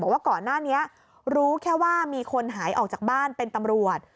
ว่าก่อนหน้านี้รู้แค่ว่ามีคนหายออกจากบ้านเป็นตำรวจ